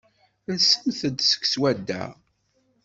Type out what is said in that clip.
Alsemt-d seg swadda.